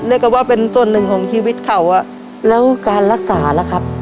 เรียกว่าเป็นส่วนหนึ่งของชีวิตเขาอ่ะแล้วการรักษาล่ะครับ